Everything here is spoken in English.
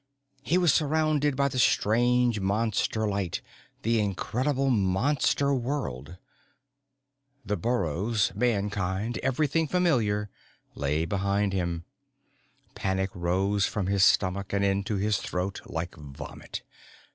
He was surrounded by the strange Monster light, the incredible Monster world. The burrows, Mankind, everything familiar, lay behind him. Panic rose from his stomach and into his throat like vomit.